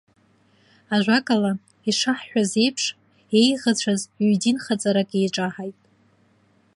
Ажәакала, ишаҳҳәаз еиԥш, еиӷацәаз ҩ-динхаҵарак еиҿаҳаит.